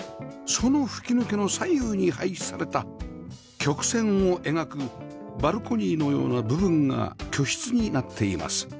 その吹き抜けの左右に配置された曲線を描くバルコニーのような部分が居室になっています